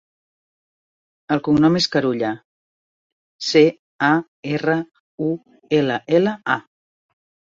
El cognom és Carulla: ce, a, erra, u, ela, ela, a.